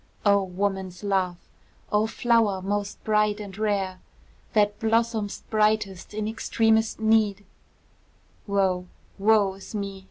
O woman's love! O flower most bright and rare! That blossom'st brightest in extremest need, Woe, woe is me!